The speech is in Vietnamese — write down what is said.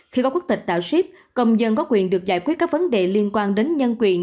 khi có quốc tịch tạo ship công dân có quyền được giải quyết các vấn đề liên quan đến nhân quyền